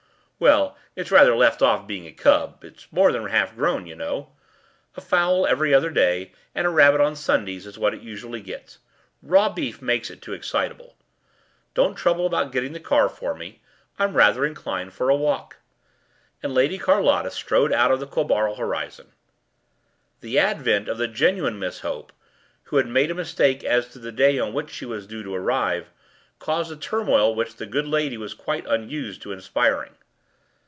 “Well, it’s rather left off being a cub; it’s more than half grown, you know. A fowl every day and a rabbit on Sundays is what it usually gets. Raw beef makes it too excitable. Don’t trouble about getting the car for me, I’m rather inclined for a walk.” And Lady Carlotta strode out of the Quabarl horizon. The advent of the genuine Miss Hope, who had made a mistake as to the day on which she was due to arrive, caused a turmoil which that good lady was quite unused to inspiring.